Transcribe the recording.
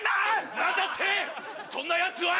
何だって⁉そんなヤツは。